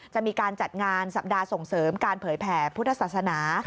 จะมีการจัดงานสัปดาห์ส่งเสริมการเผยแผ่พุทธศาสนา